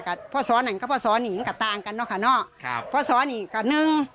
กับพ่อสองนั้นกับพ่อสองนี้กับต่างกันเนอะค่ะเนอะครับพ่อสองนี้ก็นึง